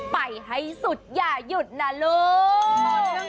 ไปให้สุดอย่าหยุดนะลูก